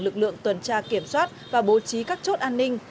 lực lượng tuần tra kiểm soát và bố trí các chốt an ninh